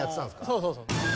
そうそうそう。